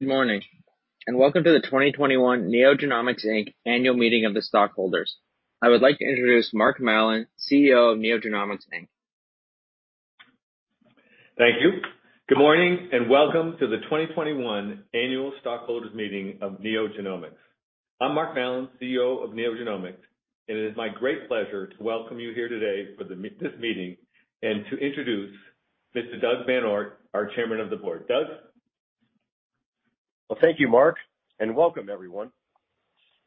Good morning, and welcome to the 2021 NeoGenomics, Inc. Annual Meeting of the Stockholders. I would like to introduce Mark Mallon, CEO of NeoGenomics, Inc. Thank you. Good morning, and welcome to the 2021 Annual Stockholders' Meeting of NeoGenomics. I'm Mark Mallon, CEO of NeoGenomics, and it's my great pleasure to welcome you here today for this meeting and to introduce Mr. Douglas VanOort, our Chairman of the Board. Doug? Well, thank you, Mark, and welcome everyone.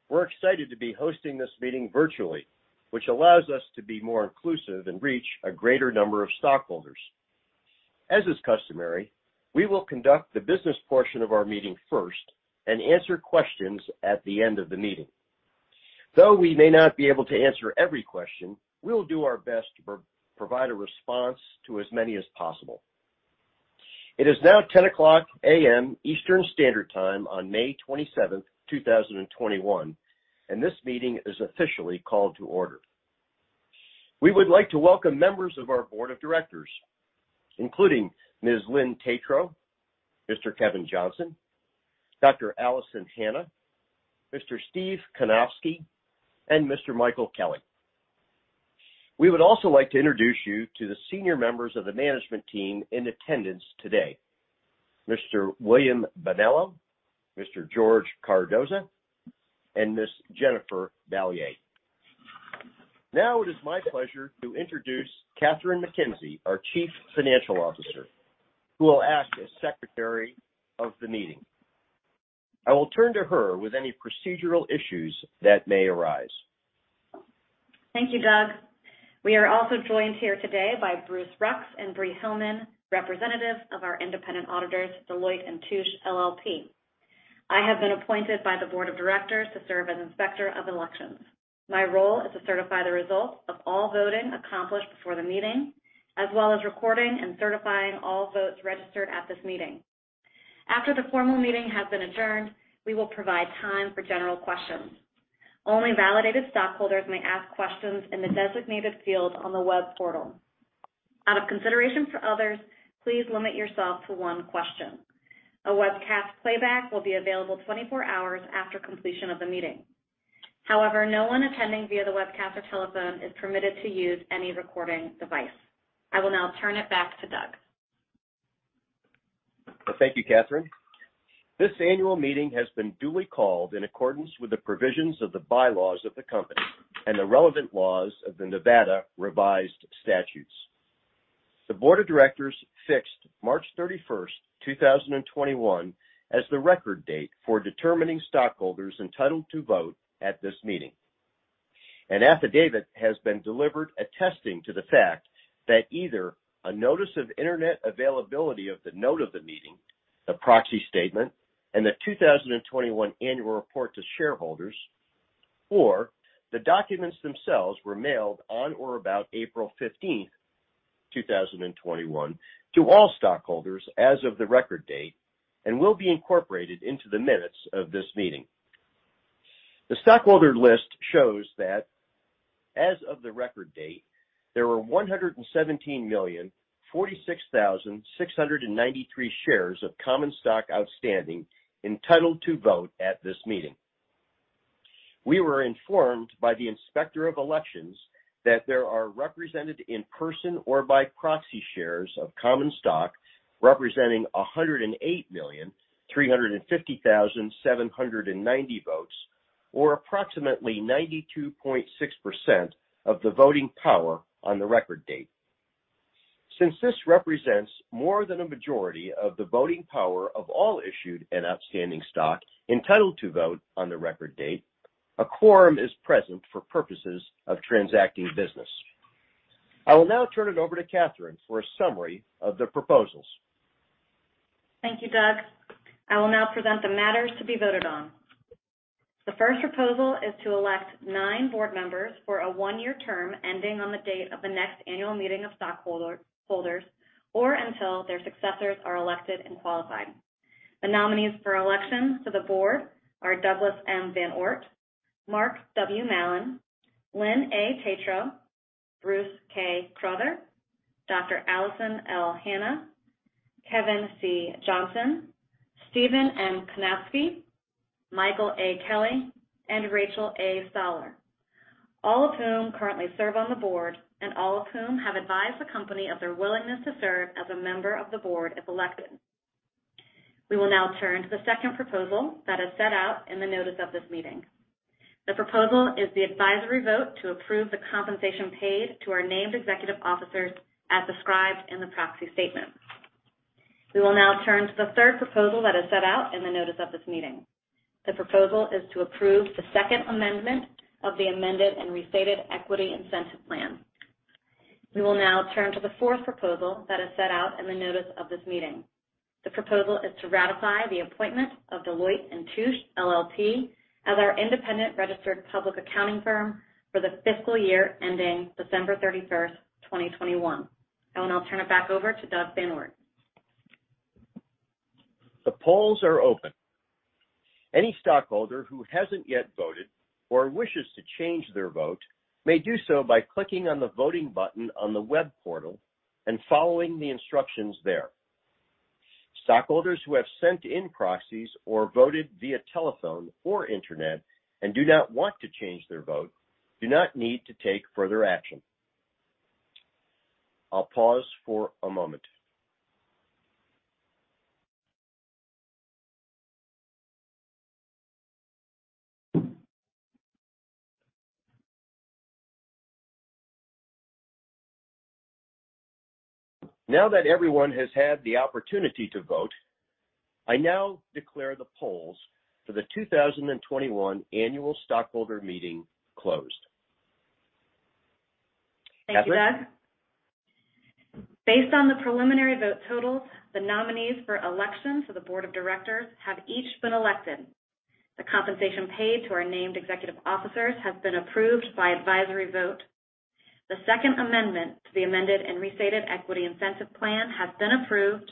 We're excited to be hosting this meeting virtually, which allows us to be more inclusive and reach a greater number of stockholders. As is customary, we will conduct the business portion of our meeting first and answer questions at the end of the meeting. Though we may not be able to answer every question, we will do our best to provide a response to as many as possible. It is now 10:00 AM Eastern Standard Time on May 27th, 2021, and this meeting is officially called to order. We would like to welcome members of our board of directors, including Ms. Lynn A. Tetrault, Mr. Kevin C. Johnson, Dr. Alison L. Hannah, Mr. Stephen M. Kanovsky, and Mr. Michael A. Kelly. We would also like to introduce you to the senior members of the management team in attendance today. Mr. William Bonello, Mr. George Cardoza, and Ms. Jennifer Balliet. Now it is my pleasure to introduce Kathryn McKenzie, our Chief Financial Officer, who will act as Secretary of the meeting. I will turn to her with any procedural issues that may arise. Thank you, Doug. We are also joined here today by George Brooks and Brian Helfman, representatives of our independent auditors, Deloitte & Touche LLP. I have been appointed by the Board of Directors to serve as Inspector of Elections. My role is to certify the results of all voting accomplished before the meeting, as well as recording and certifying all votes registered at this meeting. After the formal meeting has been adjourned, we will provide time for general questions. Only validated stockholders may ask questions in the designated field on the web portal. Out of consideration for others, please limit yourself to one question. A webcast playback will be available 24 hours after completion of the meeting. However, no one attending via the webcast or telephone is permitted to use any recording device. I will now turn it back to Doug. Thank you, Kathryn. This annual meeting has been duly called in accordance with the provisions of the bylaws of the company and the relevant laws of the Nevada Revised Statutes. The Board of Directors fixed March 31st, 2021, as the record date for determining stockholders entitled to vote at this meeting. An affidavit has been delivered attesting to the fact that either a notice of internet availability of the note of the meeting, the proxy statement, and the 2021 Annual Report to Shareholders, or the documents themselves were mailed on or about April 15th, 2021, to all stockholders as of the record date and will be incorporated into the minutes of this meeting. The stockholder list shows that as of the record date, there were 117.05 million shares of common stock outstanding entitled to vote at this meeting. We were informed by the Inspector of Elections that there are represented in person or by proxy shares of common stock representing 108.35 million votes, or approximately 92.6% of the voting power on the record date. Since this represents more than a majority of the voting power of all issued and outstanding stock entitled to vote on the record date, a quorum is present for purposes of transacting business. I will now turn it over to Kathryn for a summary of the proposals. Thank you, Doug. I will now present the matters to be voted on. The first proposal is to elect nine board members for a one-year term ending on the date of the next annual meeting of stockholders or until their successors are elected and qualified. The nominees for election to the board are Douglas VanOort, Mark Mallon, Lynn A. Tetrault, Bruce K. Crowther, Dr. Alison L. Hannah, Kevin C. Johnson, Stephen M. Kanovsky, Michael A. Kelly, and Rachel Stahler. All of whom currently serve on the board and all of whom have advised the company of their willingness to serve as a member of the board if elected. We will now turn to the second proposal that is set out in the notice of this meeting. The proposal is the advisory vote to approve the compensation paid to our named executive officers as described in the proxy statement. We will now turn to the third proposal that is set out in the notice of this meeting. The proposal is to approve the second amendment of the amended and restated equity incentive plan. We will now turn to the fourth proposal that is set out in the notice of this meeting. The proposal is to ratify the appointment of Deloitte & Touche LLP as our independent registered public accounting firm for the fiscal year ending December 31st, 2021. I will now turn it back over to Douglas VanOort. The polls are open. Any stockholder who hasn't yet voted or wishes to change their vote may do so by clicking on the voting button on the web portal and following the instructions there. Stockholders who have sent in proxies or voted via telephone or internet and do not want to change their vote do not need to take further action. I'll pause for a moment. Now that everyone has had the opportunity to vote, I now declare the polls for the 2021 Annual Stockholder Meeting closed. Kathryn? Thank you, Doug. Based on the preliminary vote totals, the nominees for election to the board of directors have each been elected. The compensation paid to our named executive officers has been approved by advisory vote. The second amendment to the amended and restated equity incentive plan has been approved,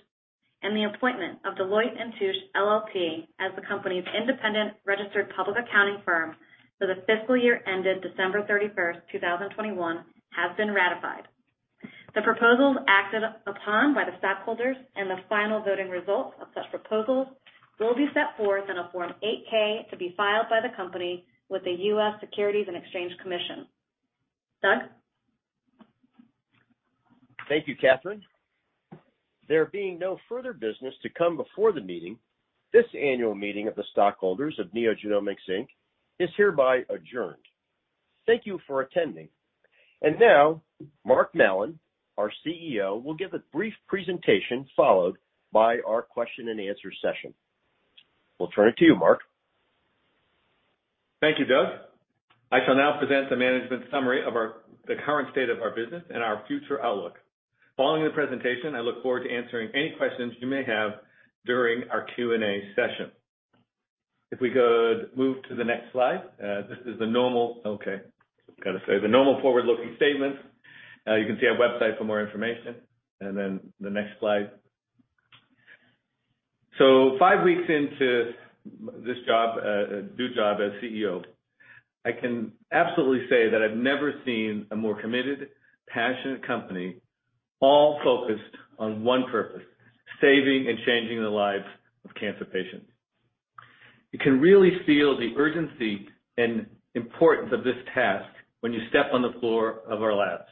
and the appointment of Deloitte & Touche LLP as the company's independent registered public accounting firm for the fiscal year ended December 31st, 2021, has been ratified. The proposals acted upon by the stockholders and the final voting results of such proposals will be set forth in a Form 8-K to be filed by the company with the U.S. Securities and Exchange Commission. Doug? Thank you, Kathryn. There being no further business to come before the meeting, this annual meeting of the stockholders of NeoGenomics, Inc. is hereby adjourned. Thank you for attending. Now, Mark Mallon, our CEO, will give a brief presentation followed by our question-and-answer session. We'll turn it to you, Mark. Thank you, Doug. I shall now present the management summary of the current state of our business and our future outlook. Following the presentation, I look forward to answering any questions you may have during our Q&A session. If we could move to the next slide. This is the normal forward-looking statements. You can see our website for more information. The next slide. Five weeks into this new job as CEO, I can absolutely say that I've never seen a more committed, passionate company, all focused on one purpose, saving and changing the lives of cancer patients. You can really feel the urgency and importance of this task when you step on the floor of our labs.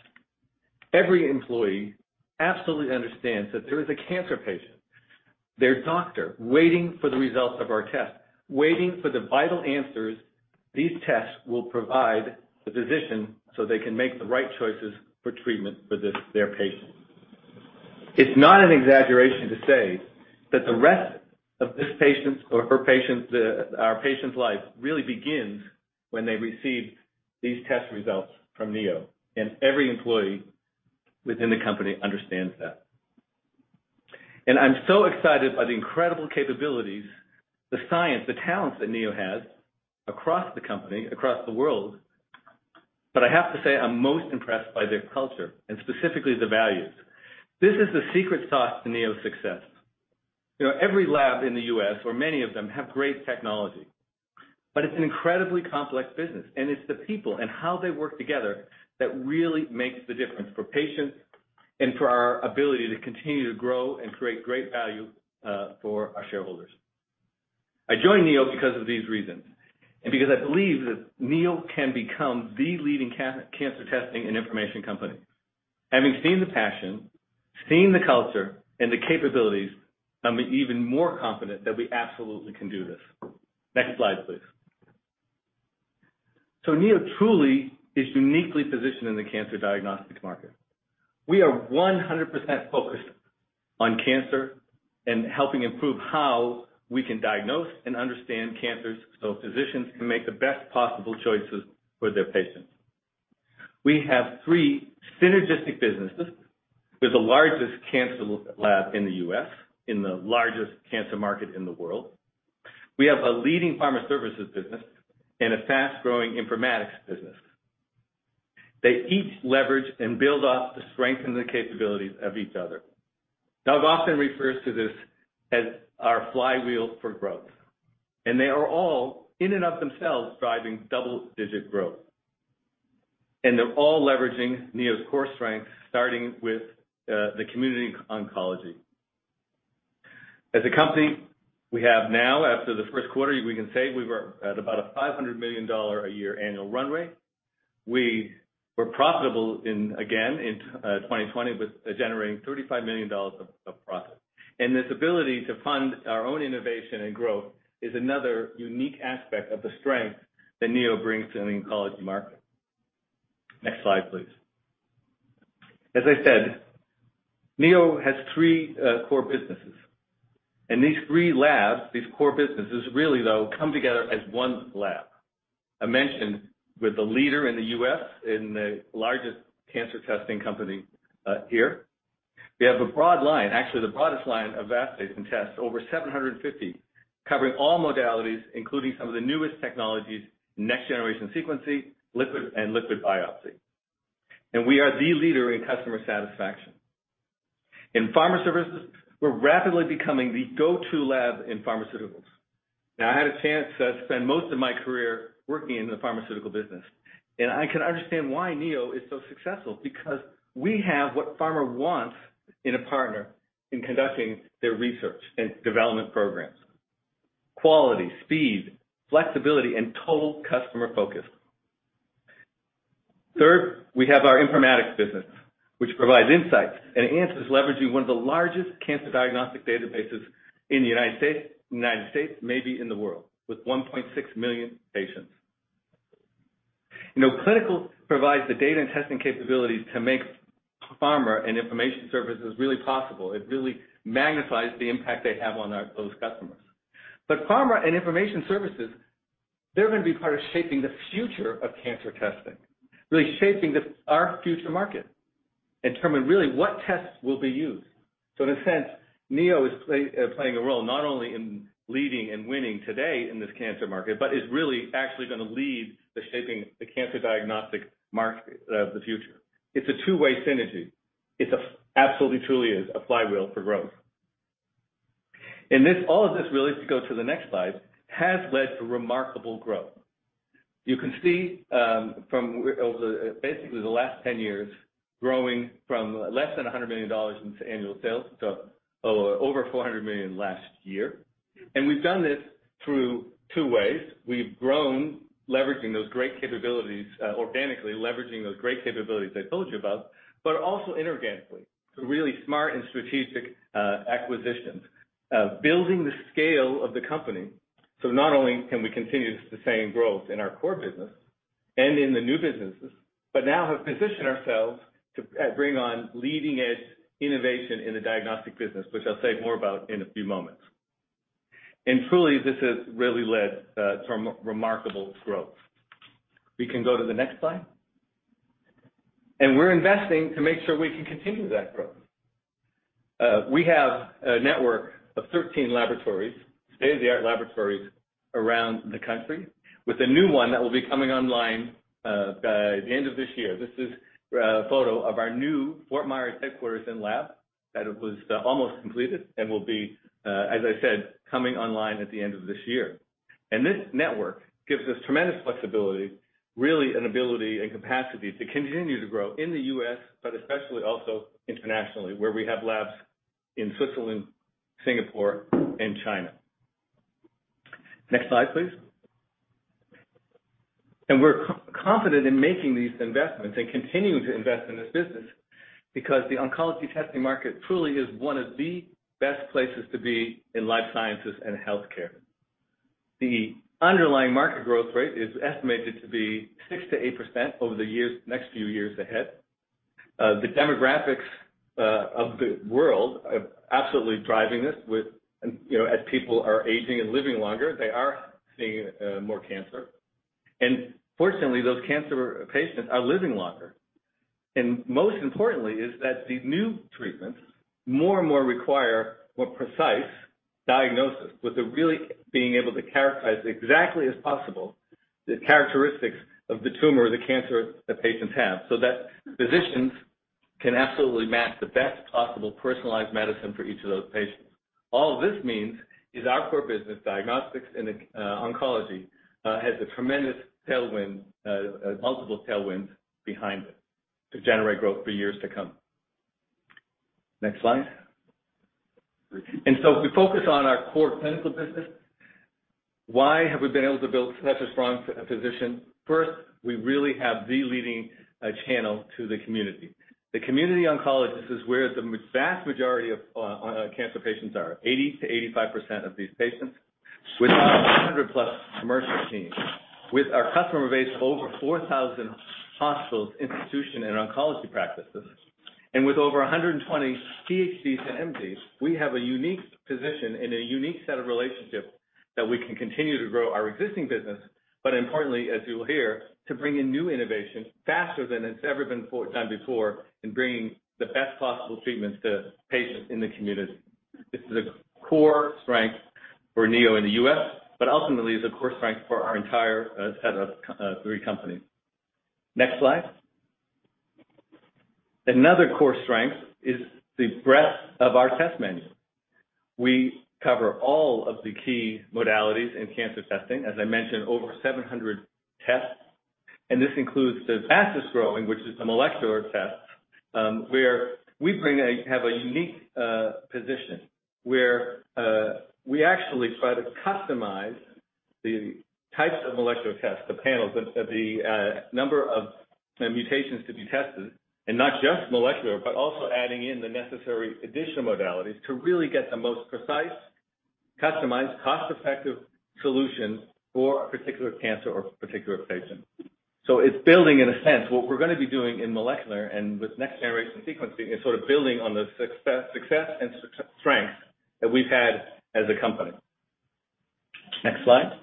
Every employee absolutely understands that there is a cancer patient, their doctor, waiting for the results of our test, waiting for the vital answers these tests will provide the physician so they can make the right choices for treatment for their patient. It's not an exaggeration to say that the rest of our patient's life really begins when they receive these test results from Neo, every employee within the company understands that. I'm so excited by the incredible capabilities, the science, the talents that Neo has across the company, across the world. I have to say, I'm most impressed by their culture and specifically the values. This is the secret sauce to Neo's success. Every lab in the U.S., or many of them, have great technology, but it's an incredibly complex business, and it's the people and how they work together that really makes the difference for patients and for our ability to continue to grow and create great value for our shareholders. I joined Neo because of these reasons, and because I believe that Neo can become the leading cancer testing and information company. Having seen the passion, seen the culture, and the capabilities, I'm even more confident that we absolutely can do this. Next slide, please. Neo truly is uniquely positioned in the cancer diagnostics market. We are 100% focused on cancer and helping improve how we can diagnose and understand cancers so physicians can make the best possible choices for their patients. We have three synergistic businesses with the largest cancer lab in the U.S., in the largest cancer market in the world. We have a leading Pharma Services business and a fast-growing Informatics business. They each leverage and build off the strengths and the capabilities of each other. Doug often refers to this as our flywheel for growth, they are all in and of themselves driving double-digit growth. They're all leveraging Neo's core strengths, starting with the community oncology. As a company, we have now, after the first quarter, we can say we were at about a $500 million a year annual run rate. We were profitable again in 2020 with generating $35 million of profit. This ability to fund our own innovation and growth is another unique aspect of the strength that Neo brings to the oncology market. Next slide, please. As I said, Neo has three core businesses, and these three labs, these core businesses really though, come together as one lab. I mentioned we're the leader in the U.S. in the largest cancer testing company here. We have a broad line, actually the broadest line of assays and tests, over 750, covering all modalities, including some of the newest technologies, next-generation sequencing, liquid, and liquid biopsy. We are the leader in customer satisfaction. In Pharma Services, we're rapidly becoming the go-to lab in pharmaceuticals. Now, I had a chance to spend most of my career working in the pharmaceutical business, and I can understand why Neo is so successful, because we have what pharma wants in a partner in conducting their research and development programs, quality, speed, flexibility, and total customer focus. We have our Informatics business, which provides insights and enhances leveraging one of the largest cancer diagnostic databases in the U.S., maybe in the world, with 1.6 million patients. Clinical Services provides the data and testing capabilities to make Pharma Services and Informatics Services really possible. It really magnifies the impact they have on those customers. Pharma Services and Informatics Services, they're going to be part of shaping the future of cancer testing, really shaping our future market and determine really what tests will be used. In a sense, Neo is playing a role not only in leading and winning today in this cancer market, but is really actually going to lead the shaping the cancer diagnostic market of the future. It's a two-way synergy. It absolutely truly is a flywheel for growth. All of this, really, to go to the next slide, has led to remarkable growth. You can see from basically the last 10 years, growing from less than $100 million in annual sales to over $400 million last year. We've done this through two ways. We've grown organically, leveraging those great capabilities I told you about, but also inorganically, through really smart and strategic acquisitions, building the scale of the company, so not only can we continue the same growth in our core business and in the new businesses, but now have positioned ourselves to bring on leading-edge innovation in the diagnostic business, which I'll say more about in a few moments. Truly, this has really led to remarkable growth. We can go to the next slide. We're investing to make sure we can continue that growth. We have a network of 13 state-of-the-art laboratories around the country with a new one that will be coming online by the end of this year. This is a photo of our new Fort Myers headquarters and lab that was almost completed and will be, as I said, coming online at the end of this year. This network gives us tremendous flexibility, really an ability and capacity to continue to grow in the U.S., but especially also internationally, where we have labs in Switzerland, Singapore, and China. Next slide, please. We're confident in making these investments and continuing to invest in this business because the oncology testing market truly is one of the best places to be in life sciences and healthcare. The underlying market growth rate is estimated to be 6%-8% over the next few years ahead. The demographics of the world are absolutely driving this with, as people are aging and living longer, they are seeing more cancer. Fortunately, those cancer patients are living longer. Most importantly is that the new treatments more and more require more precise diagnosis with it really being able to characterize exactly as possible the characteristics of the tumor or the cancer that patients have, so that physicians can absolutely map the best possible personalized medicine for each of those patients. All this means is our core business, diagnostics and oncology, has a tremendous multiple tailwind behind it to generate growth for years to come. Next slide. If we focus on our core Clinical Services business, why have we been able to build such a strong position? First, we really have the leading channel to the community. The community oncologist is where the vast majority of cancer patients are, 80%-85% of these patients, with our 100+ commercial teams. With our customer base of over 4,000 hospitals, institution, and oncology practices, and with over 120 PhDs and MDs, we have a unique position and a unique set of relationships that we can continue to grow our existing business. Importantly, as you'll hear, to bring in new innovations faster than it's ever been done before in bringing the best possible treatments to patients in the community. This is a core strength for Neo in the U.S. Ultimately, it is a core strength for our entire set of three companies. Next slide. Another core strength is the breadth of our test menu. We cover all of the key modalities in cancer testing. As I mentioned, over 700 tests, this includes the fastest-growing, which is the molecular test, where we have a unique position where we actually try to customize the types of molecular tests, the panels, the number of mutations to be tested, and not just molecular, but also adding in the necessary additional modalities to really get the most precise, customized, cost-effective solution for a particular cancer or a particular patient. It's building, in a sense, what we're going to be doing in molecular and with next-generation sequencing is sort of building on the success and strength that we've had as a company. Next slide.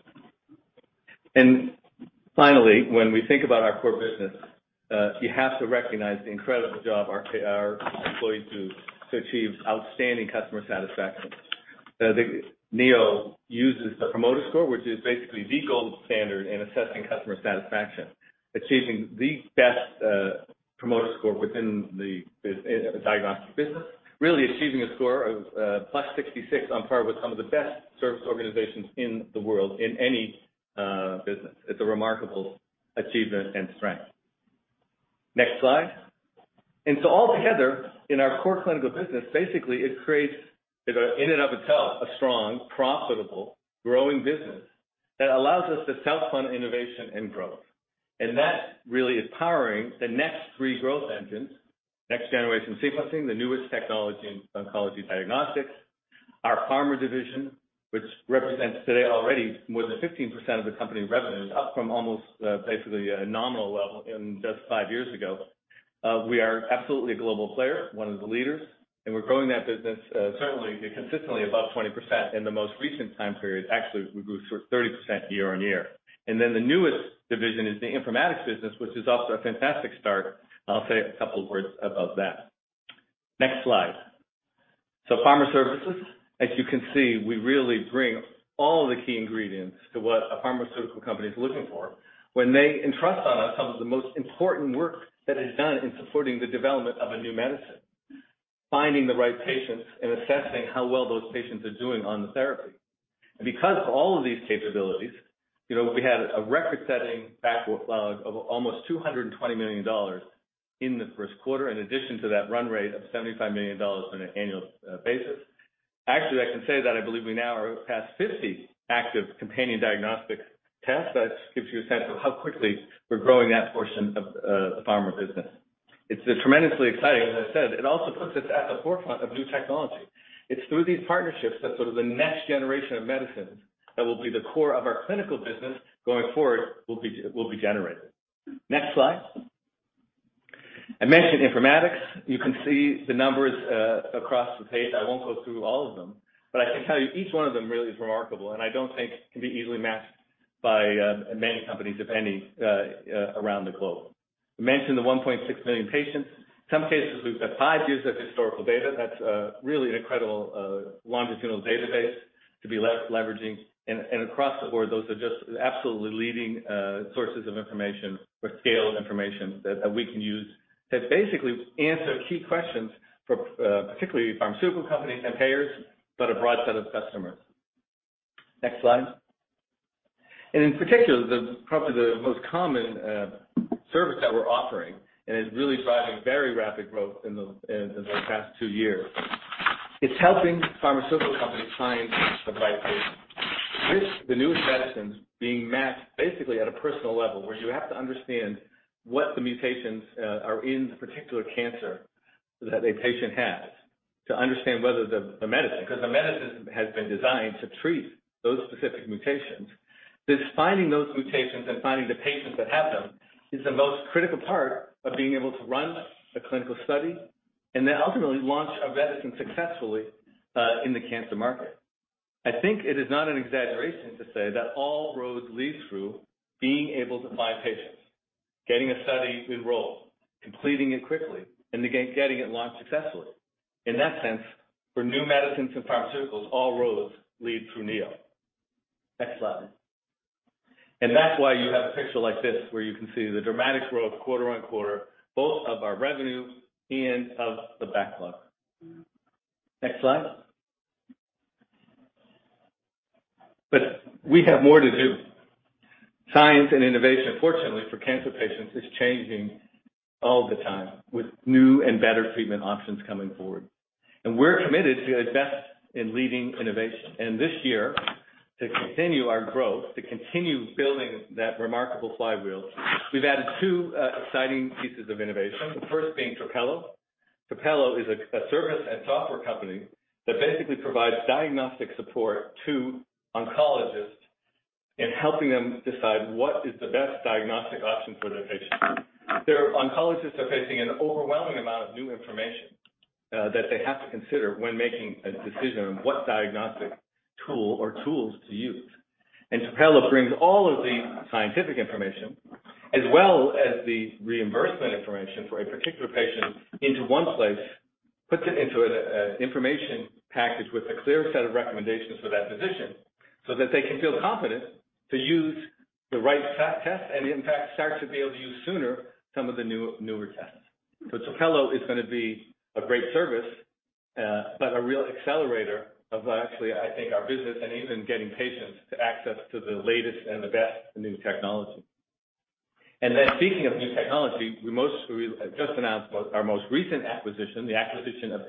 Finally, when we think about our core business, you have to recognize the incredible job our employees do to achieve outstanding customer satisfaction. Neo uses the Net Promoter Score, which is basically the gold standard in assessing customer satisfaction. Achieving the best promoter score within the diagnostic business. Really achieving a score of +66, on par with some of the best service organizations in the world in any business. It's a remarkable achievement and strength. Next slide. Altogether, in our core clinical business, basically it creates, in and of itself, a strong, profitable, growing business that allows us to self-fund innovation and growth. That really is powering the next three growth engines, next-generation sequencing, the newest technology in oncology diagnostics. Our pharma division, which represents today already more than 15% of the company revenue, up from almost basically a nominal level in just five years ago. We are absolutely a global player, one of the leaders, we're growing that business certainly consistently above 20%, in the most recent time period, actually, we grew 30% year-over-year. The newest division is the Informatics Business, which is off to a fantastic start, and I'll say a couple words about that. Next slide. Pharma Services, as you can see, we really bring all the key ingredients to what a pharmaceutical company is looking for when they entrust on us some of the most important work that is done in supporting the development of a new medicine, finding the right patients, and assessing how well those patients are doing on the therapy. Because of all of these capabilities, we had a record-setting backlog of almost $220 million in the first quarter, in addition to that run rate of $75 million on an annual basis. Actually, I can say that I believe we now are past 50 active companion diagnostic tests. That gives you a sense of how quickly we're growing that portion of the pharma business. It's tremendously exciting, as I said. It also puts us at the forefront of new technology. It's through these partnerships that sort of the next generation of medicines that will be the core of our clinical business going forward will be generated. Next slide. I mentioned Informatics. You can see the numbers across the page. I won't go through all of them, but I can tell you each one of them really is remarkable, and I don't think can be easily matched by many companies, if any, around the globe. I mentioned the 1.6 million patients. Some cases, we've got five years of historical data. That's really an incredible longitudinal database to be leveraging. Across the board, those are just absolutely leading sources of information or scale of information that we can use that basically answer key questions for particularly pharmaceutical companies and payers, but a broad set of customers. Next slide. In particular, probably the most common service that we're offering, and is really driving very rapid growth in the past two years. It's helping pharmaceutical companies find the right patient. With the newest medicines being matched basically at a personal level, where you have to understand what the mutations are in the particular cancer that a patient has to understand whether the medicine has been designed to treat those specific mutations. This finding those mutations and finding the patients that have them is the most critical part of being able to run a clinical study, and then ultimately launch a medicine successfully in the cancer market. I think it is not an exaggeration to say that all roads lead through being able to find patients, getting a study enrolled, completing it quickly, and getting it launched successfully. In that sense, for new medicines and pharmaceuticals, all roads lead through Neo. Next slide. That's why you have a picture like this, where you can see the dramatic growth quarter-on-quarter, both of our revenue and of the backlog. Next slide. We have more to do. Science and innovation, fortunately for cancer patients, is changing all the time with new and better treatment options coming forward. We're committed to invest in leading innovation. This year, to continue our growth, to continue building that remarkable flywheel, we've added two exciting pieces of innovation. The first being Trapelo Health. Trapelo Health is a service and software company that basically provides diagnostic support to oncologists in helping them decide what is the best diagnostic option for their patient. Oncologists are facing an overwhelming amount of new information that they have to consider when making a decision on what diagnostic tool or tools to use. Trapelo Health brings all of the scientific information as well as the reimbursement information for a particular patient into one place, puts it into an information package with a clear set of recommendations for that physician so that they can feel confident to use the right test, and in fact, start to be able to use sooner some of the newer tests. Trapelo Health is going to be a great service, but a real accelerator of actually, I think, our business and even getting patients to access to the latest and the best in new technology. Speaking of new technology, we just announced our most recent acquisition, the acquisition of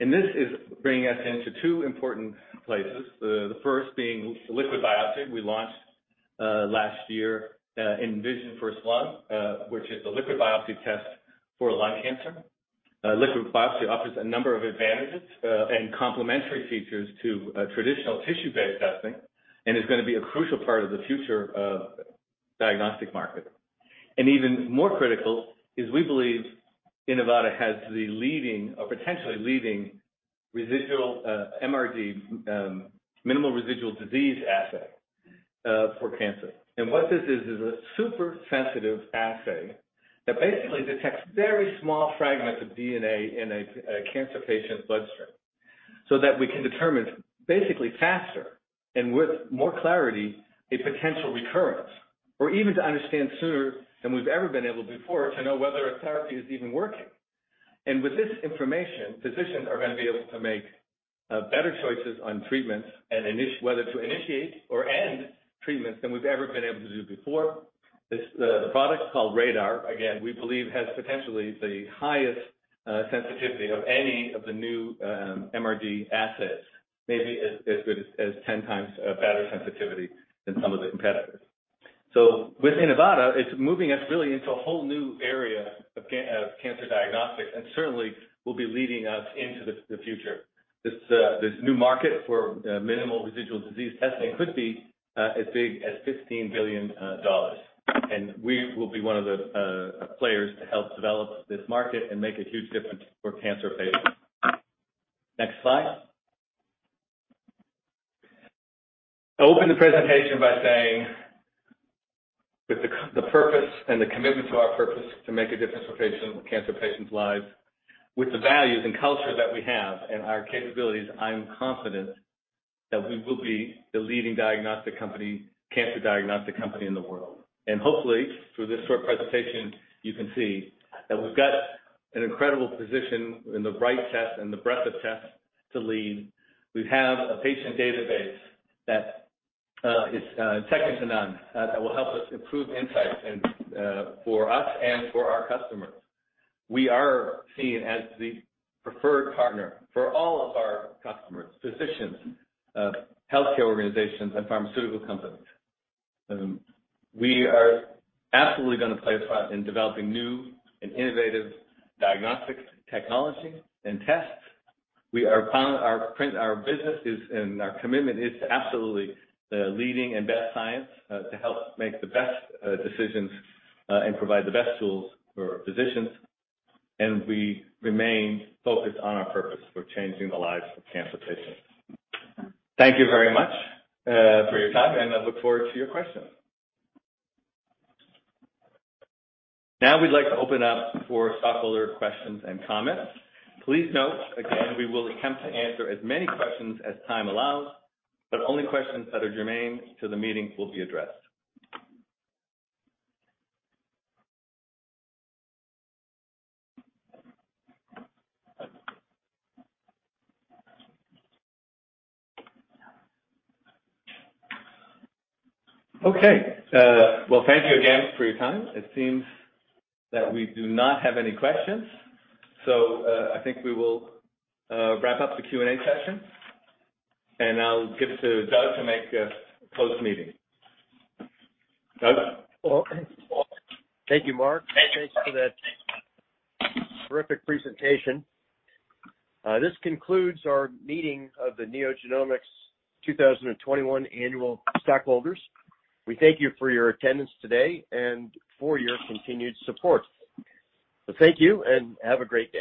Inivata. This is bringing us into two important places. The first being liquid biopsy. We launched last year InVisionFirst-Lung, which is a liquid biopsy test for lung cancer. Liquid biopsy offers a number of advantages and complementary features to traditional tissue-based testing and is going to be a crucial part of the future of diagnostic market. Even more critical is we believe Inivata has the leading or potentially leading residual MRD, minimal residual disease asset for cancer. What this is a super sensitive assay that basically detects very small fragments of DNA in a cancer patient's bloodstream, so that we can determine basically faster and with more clarity, a potential recurrence, or even to understand sooner than we've ever been able before to know whether a therapy is even working. With this information, physicians are going to be able to make better choices on treatments and whether to initiate or end treatments than we've ever been able to do before. The product, called RaDaR, again, we believe has potentially the highest sensitivity of any of the new MRD assets, maybe as good as 10x better sensitivity than some of the competitors. With Inivata, it's moving us really into a whole new area of cancer diagnostic, and certainly will be leading us into the future. This new market for minimal residual disease testing could be as big as $15 billion. We will be one of the players to help develop this market and make a huge difference for cancer patients. Next slide. I opened the presentation by saying with the purpose and the commitment to our purpose to make a difference for cancer patients' lives, with the values and culture that we have and our capabilities, I'm confident that we will be the leading diagnostic company, cancer diagnostic company in the world. Hopefully, through this short presentation, you can see that we've got an incredible position in the right tests and the breadth of tests to lead. We have a patient database that is second to none that will help us improve insights and for us and for our customers. We are seen as the preferred partner for all of our customers, physicians, healthcare organizations, and pharmaceutical companies. We are absolutely going to play a part in developing new and innovative diagnostics technology and tests. Our business is and our commitment is to absolutely the leading and best science to help make the best decisions and provide the best tools for physicians. We remain focused on our purpose for changing the lives of cancer patients. Thank you very much for your time, and I look forward to your questions. Now we'd like to open up for stockholder questions and comments. Please note again, we will attempt to answer as many questions as time allows, but only questions that are germane to the meeting will be addressed. Okay. Well, thank you again for your time. It seems that we do not have any questions, I think we will wrap up the Q&A session, and I'll give it to Doug to make a closed meeting. Doug? Thank you, Mark, and thanks for that terrific presentation. This concludes our meeting of the NeoGenomics 2021 annual stockholders. We thank you for your attendance today and for your continued support. Thank you and have a great day.